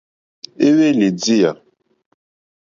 Éhwélì díyà.